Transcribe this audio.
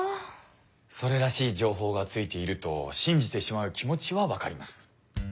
それらしい情報がついていると信じてしまう気持ちはわかります。